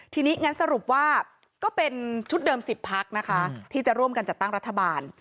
ทีนี้งั้นสรุปว่าก็เป็นชุดเดิม๑๐พักนะคะที่จะร่วมกันจัดตั้งรัฐบาล